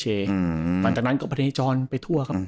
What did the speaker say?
หลังจากนั้นก็ไปที่จรรย์ไปทั่วครับ